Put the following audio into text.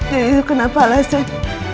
jadi itu kenapa alasan